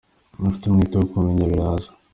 Iyo ufite umwete wo kumenya biraza.